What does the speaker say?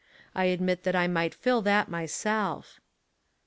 I admit that I might fill that my self.